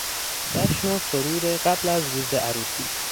جشن و سرور قبل از روز عروسی